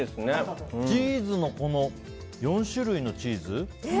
チーズの、４種類のチーズ？